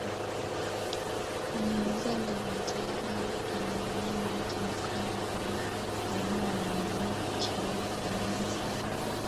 Wano omuzadde bw'atalaga bukambwe era natamukangavvula ng'omwana amanya nti oyo "amumaze"